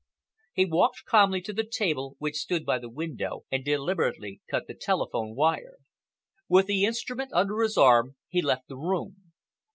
He walked calmly to the table which stood by the window and deliberately cut the telephone wire. With the instrument under his arm, he left the room.